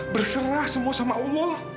berserah semua sama allah